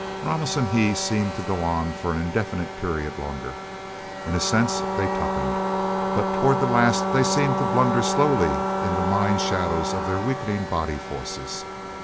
Ramos and he seemed to go on for an indefinite period longer. In a sense, they toughened. But toward the last they seemed to blunder slowly in the mind shadows of their weakening body forces.